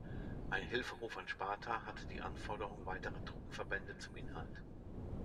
Ein Hilferuf an Sparta hatte die Anforderung weiterer Truppenverbände zum Inhalt.